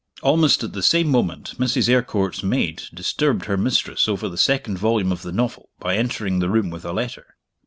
Almost at the same moment Mrs. Eyrecourt's maid disturbed her mistress over the second volume of the novel by entering the room with a letter.